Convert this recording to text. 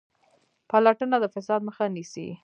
پلټنه د فساد مخه نیسي